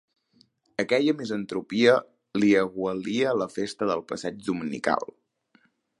Aquella misantropia li aigualia la festa del passeig dominical.